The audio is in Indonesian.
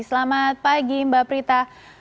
selamat pagi mbak prita